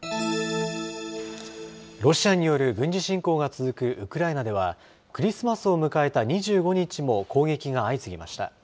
ロシアによる軍事侵攻が続くウクライナでは、クリスマスを迎えた２５日も攻撃が相次ぎました。